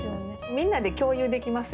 みんなで共有できますよね。